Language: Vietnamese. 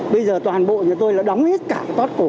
bây giờ toàn bộ nhà tôi đóng hết cả toát cổ